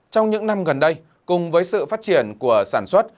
trong những năm gần đây cùng với sự phát triển của sản xuất